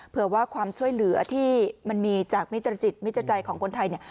เผื่อว่าความช่วยเหลือที่มันมีจากมิตรจิตมิตรใจของคนไทยเนี่ย